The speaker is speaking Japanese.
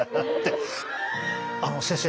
あの先生